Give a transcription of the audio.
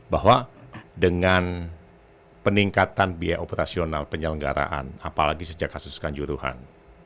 bahwa dengan peningkatan biaya operasional penyelenggaraan apalagi sejak kasus kanjuruhan